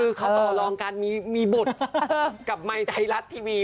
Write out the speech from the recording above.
คือเขาต่อรองกันมีบทกับไมค์ไทยรัฐทีวี